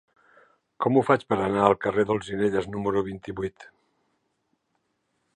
Com ho faig per anar al carrer d'Olzinelles número vint-i-vuit?